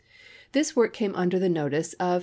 This work came under the notice of M.